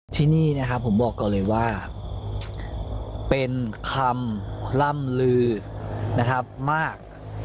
ที่นี่นะครับผมบอกก่อนเลยว่าเป็นคำล่ำลือนะครับมาก